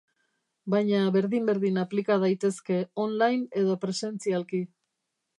baina berdin-berdin aplika daitezke online edo presentzialki.